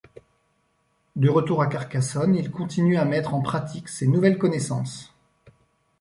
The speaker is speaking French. De retour à Carcassonne, il continue à mettre en pratique ces nouvelles connaissances.